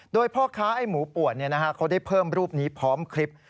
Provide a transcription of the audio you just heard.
โดยพ่อค้าไอ้หมูป่วนเขาได้เพิ่มรูปนี้พร้อมคลิป